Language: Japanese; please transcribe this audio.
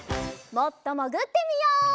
もっともぐってみよう。